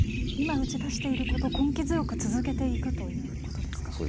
今打ち出していることを根気強く続けていくということですか？